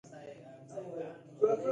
ږغ او ږوغ دی.